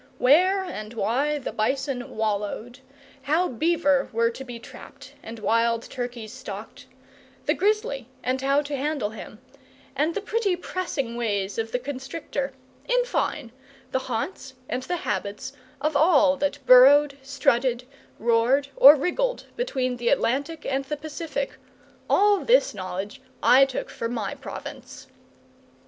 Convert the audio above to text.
Where and why the bison "wallowed"; how beaver were to be trapped and wild turkeys stalked; the grizzly and how to handle him, and the pretty pressing ways of the constrictor, in fine, the haunts and the habits of all that burrowed, strutted, roared, or wriggled between the Atlantic and the Pacific, all this knowledge I took for my province.